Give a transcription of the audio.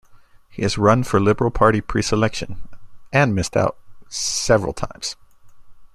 He has run for Liberal Party preselection - and missed out - "several times".